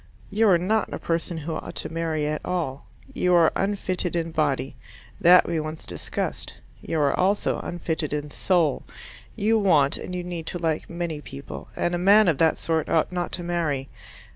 You are not a person who ought to marry at all. You are unfitted in body: that we once discussed. You are also unfitted in soul: you want and you need to like many people, and a man of that sort ought not to marry.